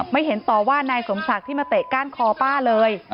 ไม่เห็นต่อว่านายสมศักดิ์ที่มาเตะก้านคอป้าเลย